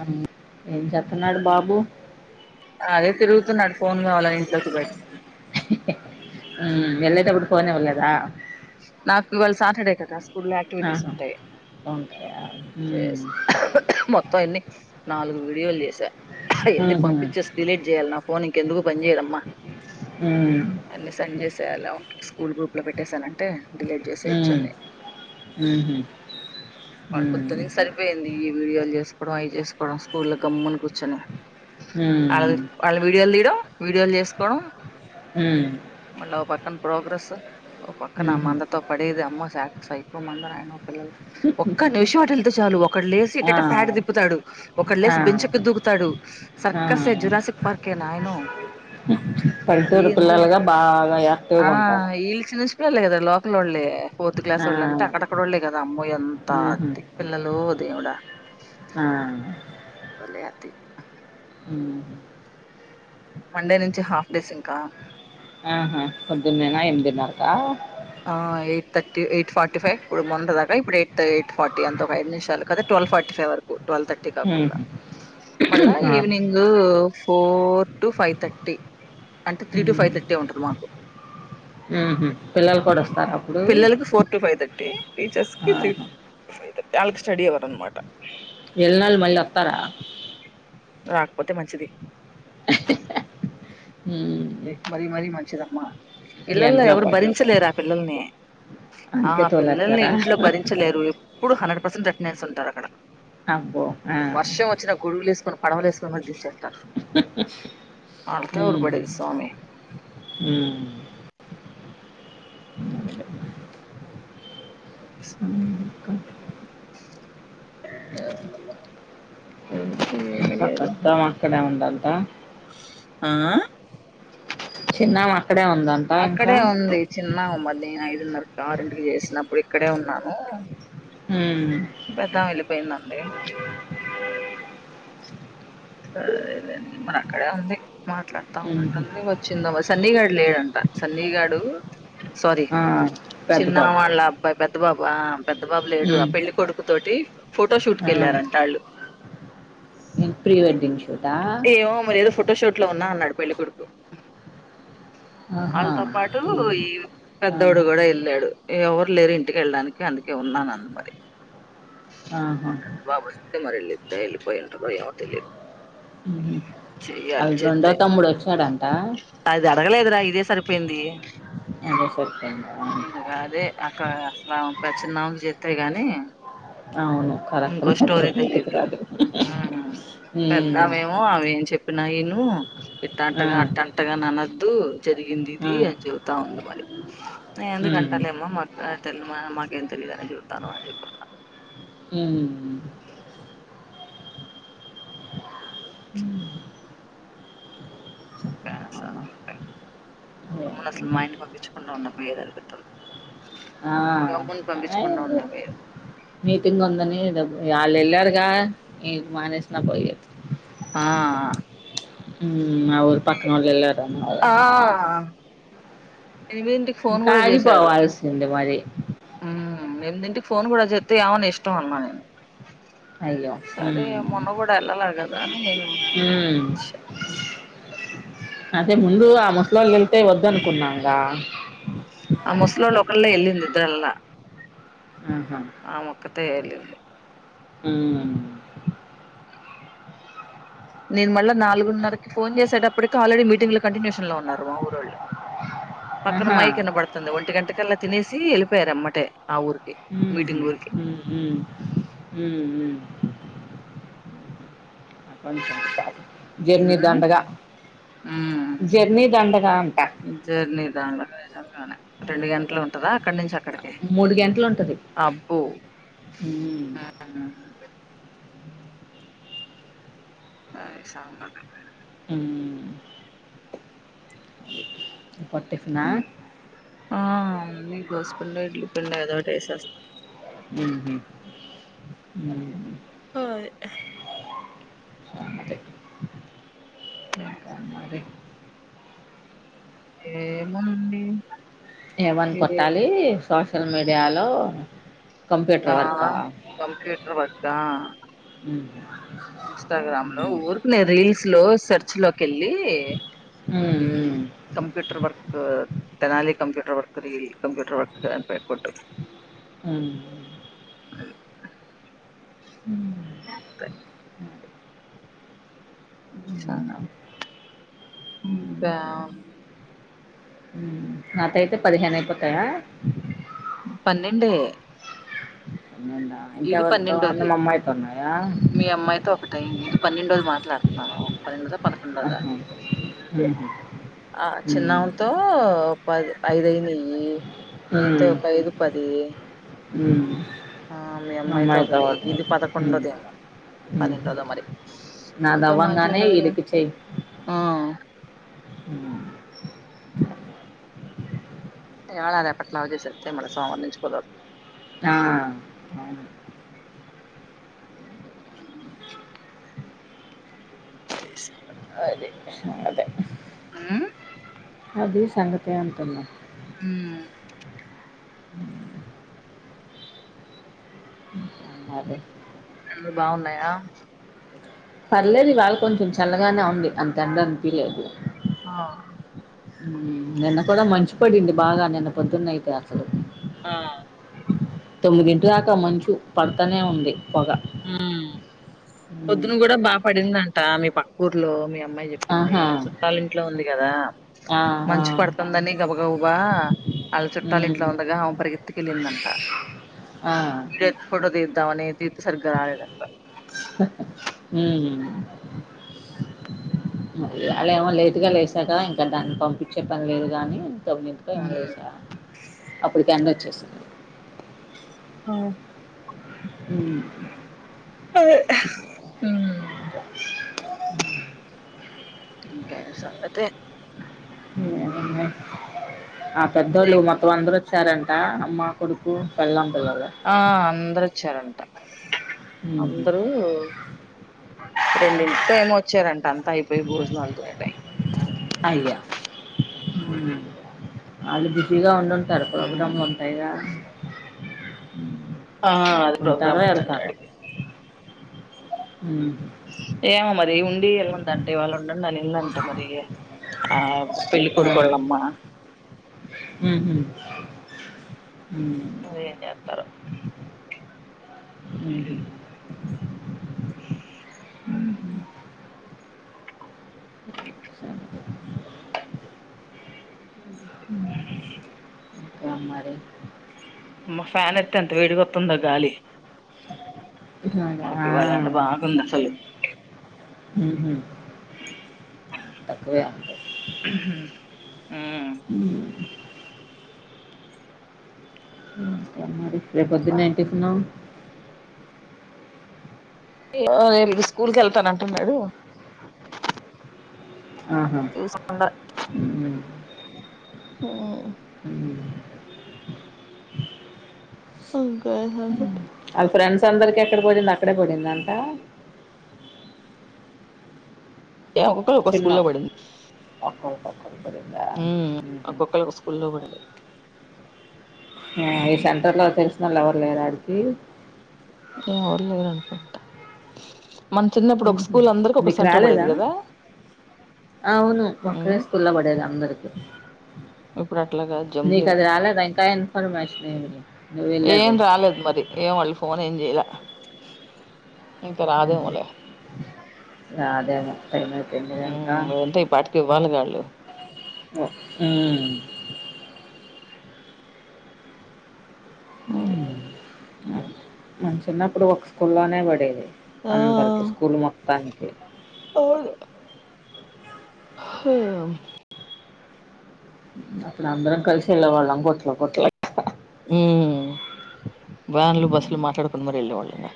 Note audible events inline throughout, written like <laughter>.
అ ఏం చెస్తున్నాడు బాబు తున్నాడ ఫోన్ కావాల నేసి ఇ వెళ్ళతప్పుడు ఫోన్ ఇవ్వలేదా నాకు ఇవాళ్ సాటర్డె కదా స్కూల్ యాక్టివిటీస్ ఆహా, ఉంటాయి ఉంటాయా ఉమ్, మొత్తం ఎన్ని నాలుగు వీడియోలు చేసా ఎన్ని ఉహుం, పంపించేసి డిలీట్ చేయాలి నాకు ఫోనీకెందుకు పని చేదమ్మా ఉమ్, అన్ని సంజేసేయలా స్కూల్ గ్రూప్ లో పెట్టేేశాన్ అంటే డిలీట్ చేసే ఉమ్, వచ్చాలె ఉహుం, మ ఉమ్, పొద్దు సరిపోయింది వీడియోలు చేసుకోవడం అవి చేసుకోవడం స్కూల్ కమ్మున కూర్చొని వాళ్ళ ఉమ్, వాళ్ళ వీడియోలు తీడం వీడియోల్ చేసుకోవడం ఉమ్, మల్ల ఒ పక్కన ప్రోగ్రెస్ ఓ పక్కన ఉహుం. మంద తొ పడేది అమ్మ శాక్ సైకో మందరా నాయన పల్ల ఒక్క నిమిష అటెళ్తే చాలు ఒకడు లేసి ఆ, ఇటట ప్యాడ దిప్పుతాడు ఒకడు ఆ, లేసి బెంచెక్కి దూకుతాడు ఆ. సర్క్కర్సే జురాస్కి పార్కే నాయన మర పల్లెటూరు ఎందుో పిల్లలుగా బాగా ఆ యాక్టివ్గా ఉంటారు ఈల్చి నుంచి ఇక్కడ లేదె లాక్ తిక్కలోల్లె ఫోర్త్ క్లాస్ వొళ్ళంతా ఆ, అక్కడక్కడ వాళ్ళే కదా అమ్మాయి అంత ఉహుం, అతిక్ పిల్లలో దేవుడా ఆ, భలే అతి ఉమ్ మండే నుంచి హాఫ్ డేస్ ఇంకా ఆహా పొద్దున్నేనా ఎనిమిదిన్నారక ఆ eight thirty eight forty five ఇప్పుడు మొన్నటి దాక ఇప్పుడు ఎయిట్ ఎయి ఫార్టీ అంత ఒక ఐదు నిమిషాలు కదా ట్వల్వ్ ఫార్టీ ఫైవ్ వరకు ట్వల్వ్ థర్టీ కాకుండ ఉమ్, మళ్ళా ఆ, evening four to five thirty అంటె త్రీ టు ఫైవ్థర్టీ ఉంటది మాకు ఊహు పిల్లలు కూడా వస్తారు అప్పుడు పిల్లలకు four to five thirty teachers కి త్రీ ఆహా. ఫైవ్ థర్టీ యాల్కు స్టడీహౌర్ అన్నమాట ఎల్లినోలు మళ్ళీ వస్తారా రాకపోతే మంచిది హ మరి మరి మంచిదమ్మ పిల్లల్ని ఎండలో ఎవరు పడి భరించలేరు ఆ పిల్లల్ని, ఆ అందుకే పిల్లల్ని తోలేస్తారా ఇంట్లో భరించలేరు ఎప్పుడు హండ్రెడ్ పర్సెంట్ నేస్ ఉంటారు అక్కడ అబ్బో ఆ. వర్షం వచ్చినా గొడుగులు వేసుకుని పడవలేసు <unintelligible> ఎవరు హ్మ్ పడేది స్వామి హమ్ సా ఉమ్. ఏమీ లేదు మొత్తం అక్కడే ఉండాలి ఆ ఆ చిన్నమా అక్కడే ఉందంట ఇంకా న్నారు కార్ ఇంటికి చేసినప్పుడు ఇక్కడే ఉన్నాను హ్మ్ పోయిందండి సరేలేండి మన అక్కడే ఉంది మాట్లాడుతా ఉమ్. ఉన్నట్టుంది వచ్చింద సన్నీ గాడు లేడంట సన్నీ గాడు సారీ ఆ, పెద్ద చిన్న బాబు వాళ్ళ పెద్ద బాబా పెద్ద బాబు లేడు ఆ ఉమ్. పెళ్లి కొడుకు తోటి ఫొటోషూట్ ఆ. కెళ్ళారంటే వాళ్ళు ఇంక ప్రీ వెడ్డింగ్ షూ ఏవో మరి ఏదో ఫోటోషూట్ ఇంట్లో ఉన్నా అన్నాడు పెళ్లికొడుకు ఆహా. వాళ్ళతో పాటు ఉమ్. ఈ ఆ. పెద్దోడు కూడా వెళ్ళాడు ఎవరు లేరు ఇంటికెళ్ళడానికి అందుకే ఉన్నాను న మరి ఆహా పెద్ద బాబు వస్తే మరి ఇద్దరు ఎల్లిపోయిండ్రో ఏమో తెలియదు ఉమ్. చెయాలి వాళ్ళ రెండో చెప్తే తమ్ముడు వచ్చాడంట అది అడగలేదు రా ఇదే సరిపోయింది అదే సరిపోయిందా పచ్చే నాన్ చేస్తే గానీ అవును కరెక్ట్ తెలీదు <unintelligible> ప్పు నైను ఆ, ఇట్టంటగ అట్టంటగ నన్న దు జరిగింది ఆ, ఇది అని చెబుతా ఉంది మరి నేను ఉమ్, ఎందుకంటా లె అమ్మ మ అంతెల్ మన మాకేం తెలీదని చేయుతాను అని చెప్పన్నా ఉమ్. అమ్మా, అమ్మను అసలు ఏమన్నా. మా ఇంటికి పంపించకుండా ఉన్నా పోయెది అని పిస్తుంది. ఆ, ఇంకా అమ్ముని పంపించకుండా ఏదో ఉన్నా పోయదు మీటింగ్ ఉందని ఎదో వాళ్ళు వెళ్ళారుగా నె మానేసిన పోయెది ఆ ఉ ఉమ్ మా ఊర్ పక్కన వెళ్ళారు అంటగా ఆ ఎనిమిదింటికి ఫోన్ కూడా కాలిపోవాల్సింది మరి ఆ ఏదింటికి ఫోన్ కూడా చేత్తె యొమో ని ఇష్టం అన్నా నేను అయ్యో సరె ఉమ్, మొన్న కూడ ఎల్లాగదు ఉన్నె ఏదో ఉమ్. అదే ముందు ఆ ముసలోళ్ళు వెళ్తే వద్దనుకున్నాంగా ఆ ముసలోల్లులో ఒకళ్ళె ఎళ్ళింది ఇద్దరు ఎళ్ళ ఆహ ఒక్కతె వెళ్ళింది. ఉమ్ నేను మళ్ళా నాలుగున్నరకి ఫోన్ చేసేటప్పటికి ఆల్రెడీ మీటింగ్ లో కంటిన్యూషన్ లో ఉన్నారు మా ఊరొళ్ళు పక్కన ఆహా మై కిన్న పడుతుంది ఒ ఒంటి గంటకల్లా తినేసి వెళ్ళిపోయారు ఎమ్మటే ఆ ఊరికి ఉమ్, మీటింగ్ ఊరికి ఉమ్, ఉమ్. హ్మ్ హ్మ్ కొంచెం కాదు జర్నీ దండగా ఆ జర్నీ దండగా అంట జర్నీ దండగా నిజంగానే రెండు గంటలు ఉంటదా అక్కడి నుంచి అక్కడికి మూడు గంటలు ఉంటది అవున సరె సంగ హ్మ్ అంటె నా ఆ ఉంది దోశపిింండ ఇడ్లీ పిండి ఏదో టి వేసేస్తాం ఉహు హాయ్ సంగతి ఏంటి ఇంకా సంగతి మరి ఏమోనండి ఏవన్ కట్టాలీ సో సోషల్ మీడియాలొ ఆ కంప్యూటర్ వర్క్ దా ఇ ఇన్స్టాగ్రామ్ లో ఊరుకినే రీల్స్ లో సర్చ్ లో కెళ్లి ఉమ్ కంప్యూటర్ వర్క్ కు తెనాలి కంప్యూటర్ వర్క్ రీ కంప్యూటర్ వర్క్ అని పె కొట్టు ఉఊ అ అంతే ఇంకా అండి ఇంకేముంది నాకయితే పదిహేను అయిపోతాయా పన్నెండే పన్నెండా ఇది ఇంకెవరితో ఉన్న పన్నెండోది మా అమ్మాయితో ఉన్నాయా మీ అమ్మాయితో ఒకటి ఇది పన్నెండోది మాట్లాడుతున్నాను పన్నెండోదా పదకొండోదా ఆహా! హుహు. ఆ చిన్న హ్మ్. ఆమతో పది ఐదయినాయి నీతో హ్మ్. ఒక ఇదు పది దే హ్మ్. ఆ మీ అమ్మాయితో అమ్మాయి ఒకటి తర్వాత. ఇది హ్మ్. పదకొండోది హ్మ్. పన్నెండోదో మరి ఇంకా నాదవ్వంగానే మాట్లాడారో ఈడికి చెయ్యి. ఆ హ్మ్. ఇవళ రేపట్లా అవి చేసెత్తే మళ్ల సోమవారం నుంచి కుదరరదు ఆ అవును. అవును చేసేయండి ఇంగా అది. అదే. ఆ అది సంగతే అంటున్నా ఉమ్మా అదే ఎండలు బాగున్నాయా పర్లేదు ఇవాల కొంచెం చల్లగానే ఉంది అంత ఎండ అనిపిలేదు ఆ నిన్న కూడా మంచు పడింది బాగా నిన్న పొద్దున్న అయితే ఆ దాక మంచు పడతనే ఉంది పొగ. ఉ హ్మ్. పొద్దున కూడా బాగ పడిందంట మీ పక్క ఊర్లో మీ అమ్మాయి చెప్ ప్పింది ఆహా! వాళ్ళ చుట్టాల ఇంట్లో ఉంది గదా ఆ! ఆ! మంచి పడుతుందని గబ బ వాళ్ళ చుట్టాలు హ్మ్. ఇంట్లో ఉందగా ఆమ పరిగెత్తికి వెళ్ళిందంట ఆ పడదద్దావనేది సర్గరాలదనప హ అలా ఏమో లేదుగా లేసాక ఇంకా దాన్ని పంపించే పని లేదు గాని సబనిందుకో ఏమ మ్ లేసా అప్పటికి అంద వచ్చేస్తున్నా ఆ అ అ ఇకా ఏమో. ఆ పెద్దోళ్ళ మంద వసారంట అమ్మ కొడుకు వెళ్ళం ఆ అందరూ చ్చారంట హుహు. అందరూ రెండింటికి ఏమో వచ్చారంట అంతా అయిపోయి భోజనాలుతోటై అయ్యో మ్మ్ వాళ్ళు బిజీగా ఉండిం టారు మ్ ప్రోగ్రామ్లు ఉంటాయిగా ఆ అది ప్రోగ్రామ్ ఉంటారో, ఉందంట ఆడికి హ్మ్ ఏమో మరి ఉండి ఎల్లొందంటే వాళ్ళు ఉండండి అని ఇంగంట మరి ఆవ్ పెళ్ళి కొడుకు వాళ్ళమ్మ మ్మ్ హు ఇంగేంజేత్తరో అదే హుహు. మ్మ్ హు సరే. మ్ ముదే ఇంకా మరి. మా ఫ్యాన్ ఎత్తే ఎంత వేడికత్తుందో గాలి, హ్మ్. మాకు ఆ! ఇవాళ ఎంత బాగుంది అసలు. హుహు. తక్కువే. మ్మ్ హ్మ్. ఇ రేపొద్దున్నే ఏం టిఫిను ఆ ఇనిపిస్ స్కూల్ కెళ్తాన్న అంటున్నాడు ఆహా చూసకుండ ఉమ్, హుమ్ ఉమ్. ఇంకేం లేదు వాళ్ళ ఫ్రెండ్స్ అందరికి ఎక్కడ పడింది అక్కడే పడిందంటా ఏ ఒక్కొక్కల్ ఒక్క స్కూల్లో పడింది ఇంటర్ హమ్ ఒక్కొక్కలకు ఒక్ స్కూల్లో పడింది ఆ ఈ సెంటర్లో తెలిసినోళ్ళు ఎవరు లేరా ఆడికి ఎవరూ లేర్ అనుకుంట నీకు రాలేదా కదా అవును పక్కడే మ్ స్కూల్లా పడేది అందర్ ఇప్పుడు అట్లా గాద్ నీకు జంప్లింగ్ అది రాలేదా ఇంకా ఇన్ఫర్మేషన్ ఏమి నువ్వు ఏం వెళ్ళేది రాలేదు మరి ఏం వాళ్ళు ఫోన్ ఏం చేయలా ఇంక రాద్ ఏమో లే రాదేమో టైం అయిపోయింది గా ఇంకా బాల్ గాళ్ళు హ్మ్ అయి ఉమ్. మన చిన్నప్పుడు ఒక స్కూల్లోనే పడేది ఆ అందరికి స్కూల్ మొత్తానికి హ.. మ్ అప్పుడు అందరం కలిసి ఎల్లే వాళ్ళం గొట్ల కొట్ల ఉమ్ వ్యాన్లు బస్సులు మాట్లాడుకుని మరి ఎల్లేవాళ్ళం గా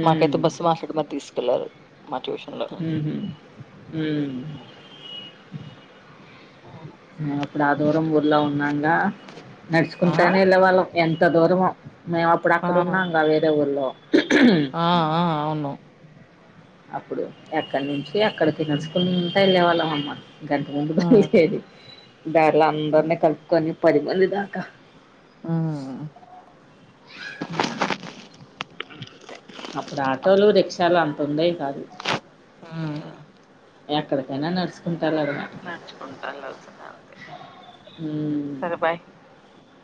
ఉమ్, మాకయితే బస్ మార్షెడ్ మర్ తీస్ తేలదు మ హు హుమ్ హ్మ్ హు అప్పుడు ఆ దూరం ఊర్లో ఉన్నాంగా ఆ నడుచుకుంటానే వెళ్ళేవాళ్ళం ఎంత దూరమో మేం అప్పుడు ఆ అక్కడ ఉన్నాం గా వేరే ఊరిలో ఆ ఆ అవును అప్పుడు ఎక్కడి నుంచి ఎక్కడకి నచుకుంటా వెళ్ళే వాళ్ళం అనమా గంట ముందు హ్మ్ బయల్దేరి దారిలో అందరినీ కలుపుకొని పది మంది దాకా హ్మ్ హ తొందై ఆ ఎక్కడికైనా నడుసుకున్ నడుచుకుంట వెళ్లాల్సిందే అంతే ఉమ్. సరే బాయ్